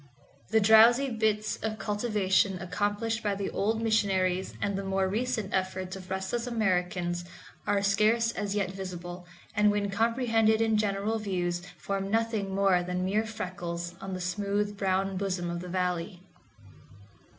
The drowsy bits of cultivation accomplished by the old missionaries and the more recent efforts of restless Americans are scarce as yet visible, and when comprehended in general views form nothing more than mere freckles on the smooth brown bosom of the Valley.